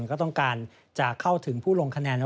ก็ต้องการจะเข้าถึงผู้ลงคะแนน